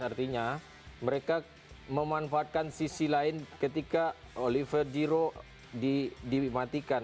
artinya mereka memanfaatkan sisi lain ketika oliver zero dimatikan